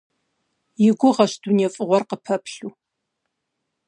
И гугъэщ дуней фӏыгъуэр къыпэплъэу…